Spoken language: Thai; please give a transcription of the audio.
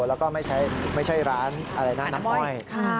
แล้วก็ไม่ใช่ร้านน้ำอ้อย